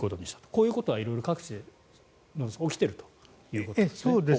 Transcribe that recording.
こういうことは各地で起きているということですね。